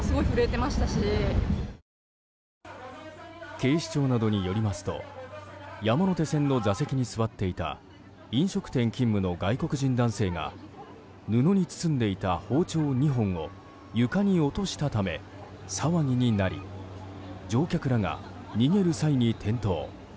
警視庁などによりますと山手線の座席に座っていた飲食店勤務の外国人男性が布に包んでいた包丁２本を床に落としたため騒ぎになり乗客らが逃げる際に転倒。